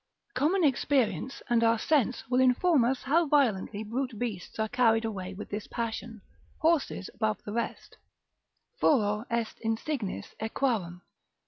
Common experience and our sense will inform us how violently brute beasts are carried away with this passion, horses above the rest,—furor est insignis equarum.